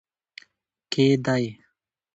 کې دی